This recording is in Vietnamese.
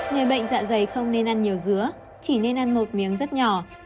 người bệnh dạ dày không nên ăn nhiều dứa chỉ nên ăn một miếng rất nhỏ